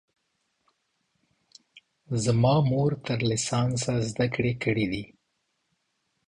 زما مور تر لیسانسه زده کړې کړي دي